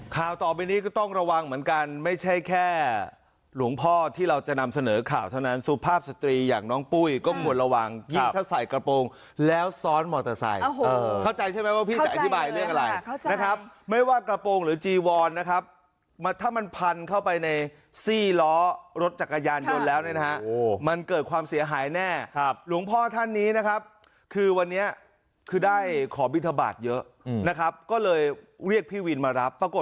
ข่าวต่อไปนี้ก็ต้องระวังเหมือนกันไม่ใช่แค่หลวงพ่อที่เราจะนำเสนอข่าวเท่านั้นสุภาพสตรีอย่างน้องปุ้ยก็ควรระวังยิ่งถ้าใส่กระโปรงแล้วซ้อนมอเตอร์ไซค์เข้าใจใช่ไหมว่าพี่จะอธิบายเรียกอะไรนะครับไม่ว่ากระโปรงหรือจีวอนนะครับถ้ามันพันเข้าไปในซี่ล้อรถจักรยานยนต์แล้วเนี่ยนะฮะมันเกิดค